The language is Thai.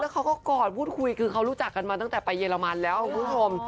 เขาก็กอดพูดคุยคือเขารู้จักกันมาตั้งแต่ไปเยอรมันแล้วคุณผู้ชม